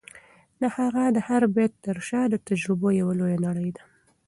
د هغه د هر بیت تر شا د تجربو یوه لویه نړۍ ده.